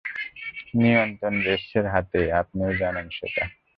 নিয়ন্ত্রণ জেটসের হাতেই, আপনিও জানেন সেটা।